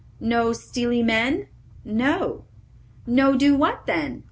"No stealy men?" "No." "No do what then?"